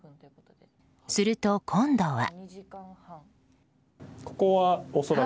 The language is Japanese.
すると、今度は。